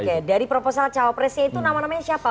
oke dari proposal cawapresnya itu nama namanya siapa